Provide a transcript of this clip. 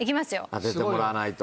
当ててもらわないと。